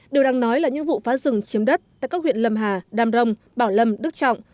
điều đáng nói là những vụ phá rừng chiếm đất tại các huyện lâm hà đam rông bảo lâm đức trọng